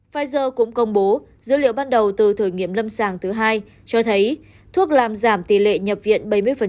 pfizer cũng công bố dữ liệu ban đầu từ thử nghiệm lâm sàng thứ hai cho thấy thuốc làm giảm tỷ lệ nhập viện bảy mươi